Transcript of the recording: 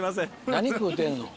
何食うてんの？